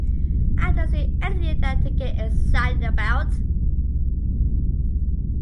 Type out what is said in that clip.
I don't see anything in that to get excited about.